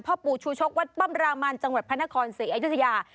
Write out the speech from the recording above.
ปู่ชูชกวัดป้อมรามันจังหวัดพระนครศรีอยุธยา